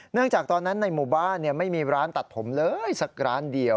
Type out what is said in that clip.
จากตอนนั้นในหมู่บ้านไม่มีร้านตัดผมเลยสักร้านเดียว